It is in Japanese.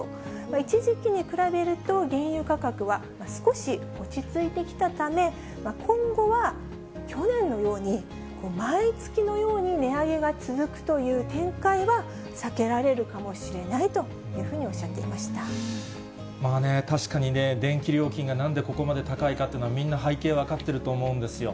一時期に比べると、原油価格は少し落ち着いてきたため、今後は去年のように、毎月のように値上げが続くという展開は避けられるかもしれないと確かにね、電気料金がなんでここまで高いかというのは、みんな背景分かってると思うんですよ。